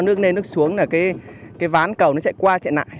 nước lên nó xuống là cái ván cầu nó chạy qua chạy lại